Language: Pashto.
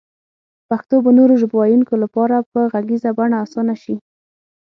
پښتو به نورو ژبو ويونکو لپاره په غږيزه بڼه اسانه شي